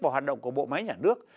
và hoạt động của bộ máy nhà nước